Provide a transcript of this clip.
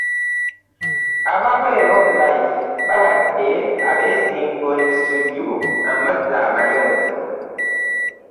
Aba Well Of Life bawadde ab'e Ssingo ne Busujju amazzi amayonjo